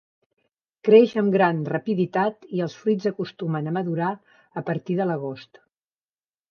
Creix amb gran rapiditat i els fruits acostumen a madurar a partir de l'agost.